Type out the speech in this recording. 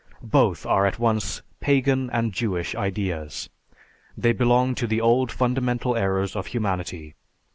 Both are at once pagan and Jewish ideas; they belong to the old fundamental errors of humanity.